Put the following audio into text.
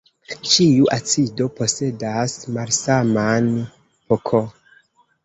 Ĉiu acido posedas malsaman pK.